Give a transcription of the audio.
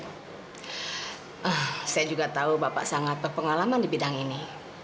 saya juga tahu bapak sangat berpengalaman di bidang ini